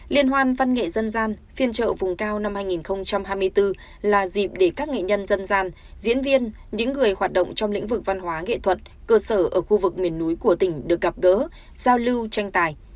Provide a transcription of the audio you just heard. liên hoan văn nghệ dân gian phiên trợ vùng cao năm hai nghìn hai mươi bốn là dịp để các nghệ nhân dân gian diễn viên những người hoạt động trong lĩnh vực văn hóa nghệ thuật cơ sở ở khu vực miền núi của tỉnh được gặp gỡ giao lưu tranh tài